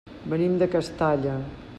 Venim de Castalla.